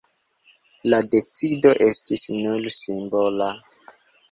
La decido estis nur simbola.